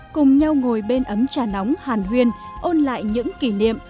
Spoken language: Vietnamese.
cùng nhau ngồi bên ấm trà nóng hàn huyên ôn lại những kỷ niệm